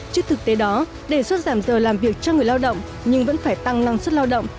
trước thực tế đó đề xuất giảm giờ làm việc cho người lao động nhưng vẫn phải tăng năng suất lao động